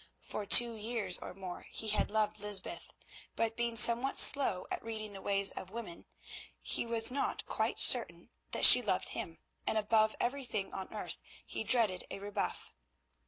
For two years or more he had loved Lysbeth, but being somewhat slow at reading the ways of women he was not quite certain that she loved him, and above everything on earth he dreaded a rebuff.